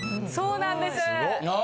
そうなんです。